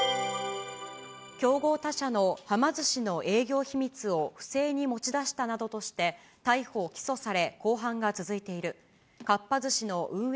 競合他社のはま寿司の営業秘密を不正に持ち出したなどとして、逮捕・起訴され、公判が続いているかっぱ寿司の運営